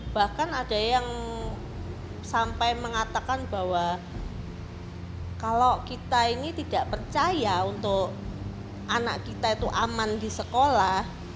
bahkan ada yang sampai mengatakan bahwa kalau kita ini tidak percaya untuk anak kita itu aman di sekolah